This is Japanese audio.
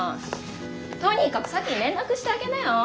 とにかく沙樹に連絡してあげなよ。